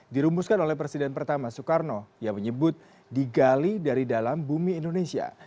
dirumuskan oleh presiden pertama soekarno yang menyebut digali dari dalam bumi indonesia